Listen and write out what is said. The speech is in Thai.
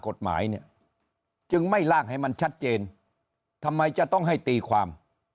กฎหมายเนี่ยจึงไม่ล่างให้มันชัดเจนทำไมจะต้องให้ตีความ